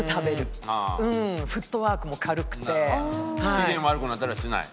機嫌悪くなったりはしない？